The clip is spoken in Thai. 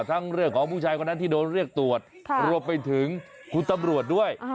เรื่องของผู้ชายคนนั้นที่โดนเรียกตรวจรวมไปถึงคุณตำรวจด้วย